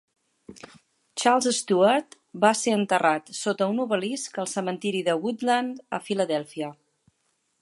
Charles Stewart va ser enterrat sota un obelisc al cementiri de Woodland, a Filadèlfia.